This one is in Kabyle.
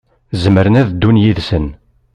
Zemren ad ddun yid-sen.